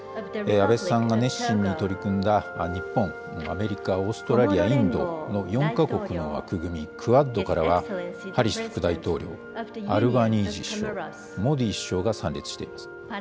安倍さんが熱心に取り組んだ日本、アメリカ、オーストラリア、インドの４か国の枠組み、クアッドからは、ハリス副大統領、アルバニージー首相、モディ首相が参列しています。